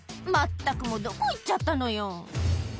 「まったくもうどこ行っちゃったのよ」